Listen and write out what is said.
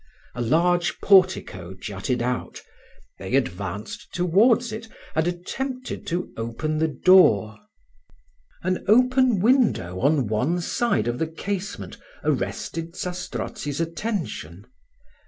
A large portico jutted out: they advanced towards it, and Zastrozzi attempted to open the door. An open window on one side of the casement arrested Zastrozzi's attention.